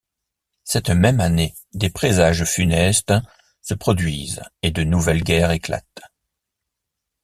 Cette même année, des présages funestes se produisent et de nouvelles guerres éclatent.